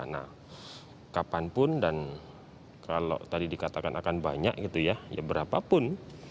nah kapanpun dan kalau tadi dikatakan akan banyak gitu ya ya berapapun